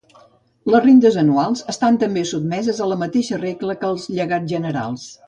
Les rendes anuals estan també sotmeses a la mateixa regla que els llegats generals.